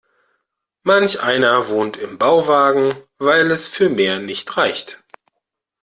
Manch einer wohnt im Bauwagen, weil es für mehr nicht reicht.